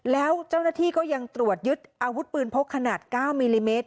แล้วเจ้าหน้าที่ก็ยังตรวจยึดอาวุธปืนพกขนาด๙มิลลิเมตร